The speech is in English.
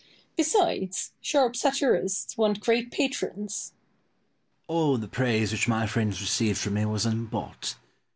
Besides, sharp satirists want great patrons. Pope. All the praise which my friends received from me was unbought.